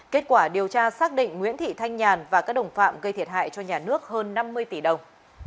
kết quả điều tra xác định nguyễn thị thanh nhàn và các đồng phạm gây thiệt hại cho nhà nước hơn năm mươi tỷ đồng